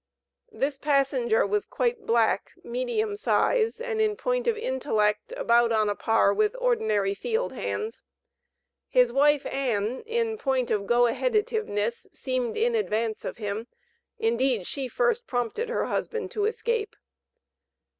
This passenger was quite black, medium size, and in point of intellect, about on a par with ordinary field hands. His wife, Ann, in point of go ahead ativeness, seemed in advance of him. Indeed, she first prompted her husband to escape.